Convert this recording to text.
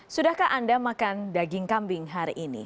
sudahkah anda makan daging kambing hari ini